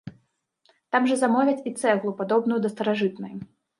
Там жа замовяць і цэглу, падобную да старажытнай.